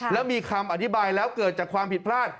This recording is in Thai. แล้วมีคำอธิบายแล้วเกิดจากความผิดพลาด